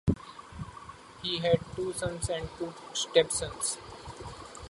He had two sons and two stepsons.